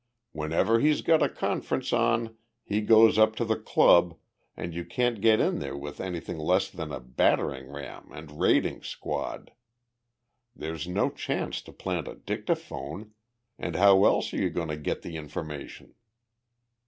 "Whenever he's got a conference on he goes up to the Club and you can't get in there with anything less than a battering ram and raiding squad. There's no chance to plant a dictaphone, and how else are you going to get the information?"